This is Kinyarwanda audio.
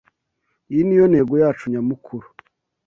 Iyi niyo ntego yacu nyamukuru.